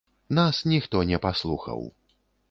Нас ніхто не паслухаў.